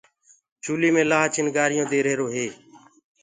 چوليٚ مي لآه چِڻگينٚ دي رهيرو هي۔